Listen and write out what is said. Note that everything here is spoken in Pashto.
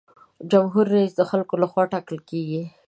جمهور رئیس د خلکو له خوا ټاکل کیږي.